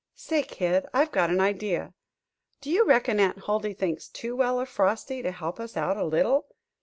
"Say, Kid, I've got an idea. Do you reckon Aunt Huldy thinks too well of Frosty to help us out a little?